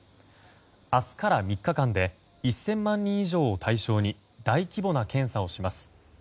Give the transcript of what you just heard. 明日から、３日間で１０００万人以上を対象に大規模な検査をします。